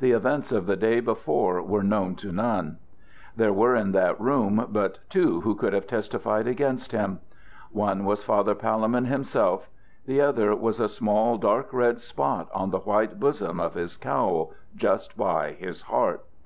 The events of the day before were known to none. There were in that room but two who could have testified against him. One was Father Palemon himself; the other was a small dark red spot on the white bosom of his cowl, just by his heart.